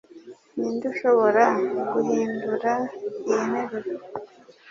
Ninde ushobora guhindura iyi nteruro?